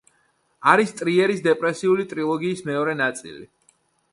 არის ტრიერის დეპრესიული ტრილოგიის მეორე ნაწილი.